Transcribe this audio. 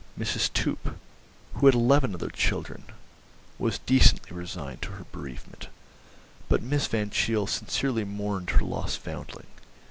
Mrs. Toop, who had eleven other children, was decently resigned to her bereavement, but Miss Van Cheele sincerely mourned her lost foundling.